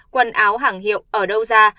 quần áo hàng hiệu ở đâu ra